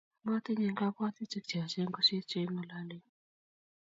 motinye kabwotutik cheyaach kosiir cheing'ololen